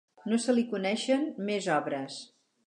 No se li coneixen més obres.